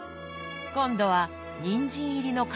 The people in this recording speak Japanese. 今度はにんじん入りの皮の餃子。